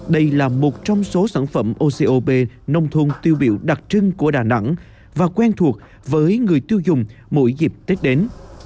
đây là một trong số sản phẩm ocop nông thôn tiêu biểu đặc trưng của đà nẵng và quen thuộc với người tiêu dùng mỗi dịp tết đến